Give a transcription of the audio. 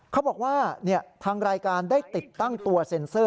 เขาบอกว่าทางรายการได้ติดตั้งตัวเซ็นเซอร์